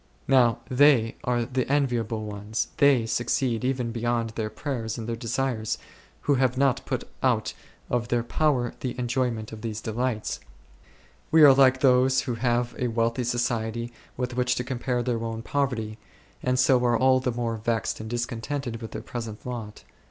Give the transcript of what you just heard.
Now they are the enviable ones, they succeed even beyond their prayers and their desires, who have not put out of their power the enjoyment of these delights. We are like those who have a wealthy society with which to compare their own poverty, and so are all the more vexed and discontented with their present lot.